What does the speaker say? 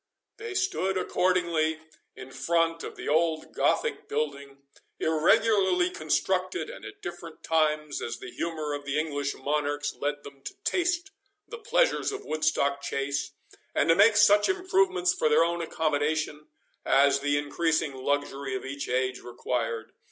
They stood accordingly in front of the old Gothic building, irregularly constructed, and at different times, as the humour of the English monarchs led them to taste the pleasures of Woodstock Chase, and to make such improvements for their own accommodation as the increasing luxury of each age required.